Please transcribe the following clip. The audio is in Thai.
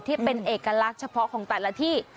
ที่เป็นเอกลักษณ์เฉพาะของแต่ละที่